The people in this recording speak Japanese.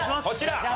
こちら。